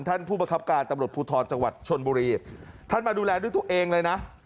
ท่านผู้ประคับการตำรวจภูทรจังหวัดชนบุรีท่านมาดูแลด้วยตัวเองเลยนะ